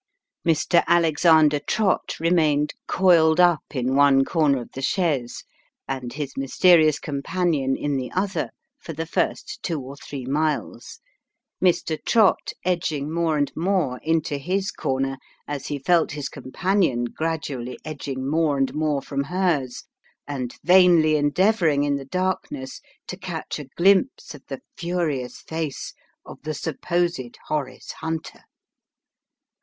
Mr. Alexander Trott remained coiled up in one corner of the chaise, and his mysterious companion in the other, for the first two or throe miles ; Mr. Trott edging more and more into his corner, as h felt his companion gradually edging more and more from hers ; and vainly endeavouring in the darkness to catch a glimpse of the furious face of the supposed Horace Hunter.